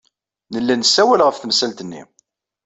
Nella nessawal ɣef temsalt-nni.